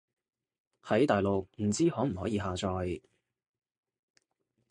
喺大陸唔知可唔可以下載